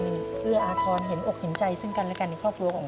เอื้ออาทรเห็นอกเห็นใจซึ่งกันและกันในครอบครัวของ